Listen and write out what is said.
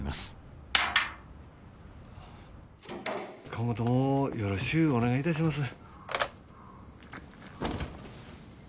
今後ともよろしゅうお願いいたします。